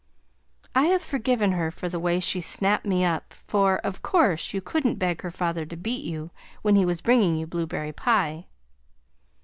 I have forgiven her for the way she snapped me up for, of course, you couldn't beg your father to beat you when he was bringing you blueberry pie.